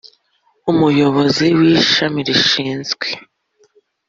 umuyobozi w’ ishami rishinzwe.